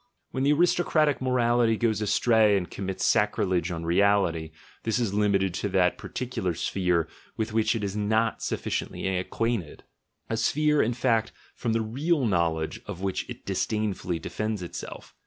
When the aristocratic morality goes astray and com mits sacrilege on reality, this is limited to that particular 1 sphere with which it is not sufficiently acquainted — a sphere, in fact, from the real knowledge of which it disdainfully defends itself.